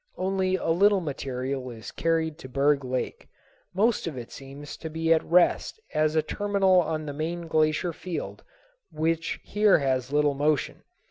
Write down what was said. Only a little material is carried to Berg Lake. Most of it seems to be at rest as a terminal on the main glacier field, which here has little motion.